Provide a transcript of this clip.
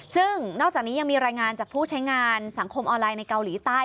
ซึ่งนอกจากนี้ยังมีรายงานจากผู้ใช้งานสังคมออนไลน์ในเกาหลีใต้